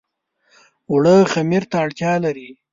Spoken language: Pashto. اوړه خمیر ته اړتيا لري